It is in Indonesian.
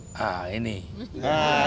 nah ini nih pak